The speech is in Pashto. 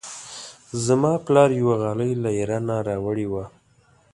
زما پلار یوه غالۍ له ایران راوړې وه.